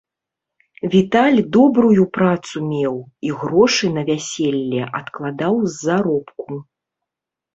Віталь добрую працу меў, і грошы на вяселле адкладаў з заробку.